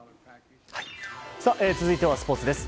続いてはスポーツです。